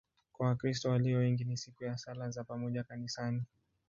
Kwa Wakristo walio wengi ni siku ya sala za pamoja kanisani.